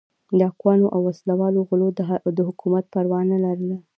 ډاکوانو او وسله والو غلو د حکومت پروا نه لرله.